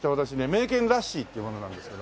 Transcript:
名犬ラッシーっていう者なんですけど。